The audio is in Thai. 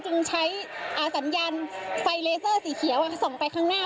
จึงใช้สัญญาณไฟเลเซอร์สีเขียวส่องไปข้างหน้า